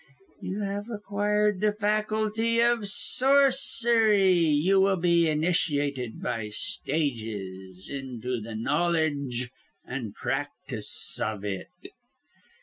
You have acquired the faculty of sorcery you will be initiated by stages, into the knowledge and practice of it.